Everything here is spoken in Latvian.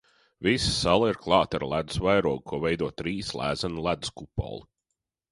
Visa sala ir klāta ar ledus vairogu, ko veido trīs lēzeni ledus kupoli.